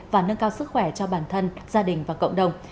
và nâng cao sức khỏe cho bản thân gia đình và cộng đồng